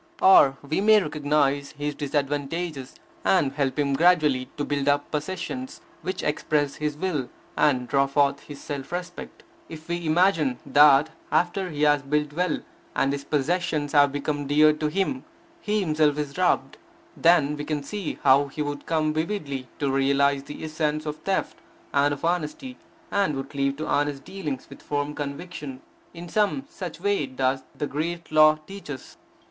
Or we may recognize his disadvantages, and help him gradually to build up possessions which express his will, and draw forth his self respect. If we imagine that, after he has built well, and his possessions have become dear to him, he himself is robbed, then we can see how he would come vividly to realize the essence of theft and of honesty, and would cleave to honest dealings with firm conviction. In some such way does the great Law teach us.